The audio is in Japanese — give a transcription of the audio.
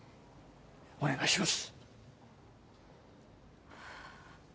お願いします